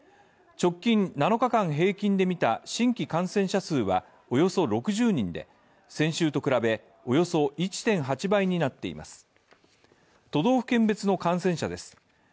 直近７日間平均で見た新規感染者数はおよそ６０人で先週と比べおよそ１．８倍になっています。